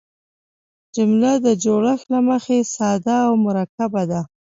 جمله د جوړښت له مخه ساده او مرکبه ده.